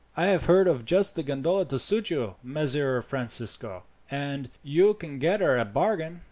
"I have heard of just the gondola to suit you, Messer Francisco, and you can get her a bargain."